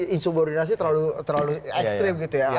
insubordinasi terlalu ekstrim gitu ya